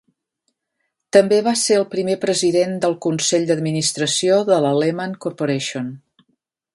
També va ser el primer president del consell d'administració de la Lehman Corporation.